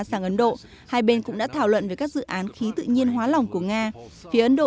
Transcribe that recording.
sang ấn độ hai bên cũng đã thảo luận về các dự án khí tự nhiên hóa lỏng của nga phía ấn độ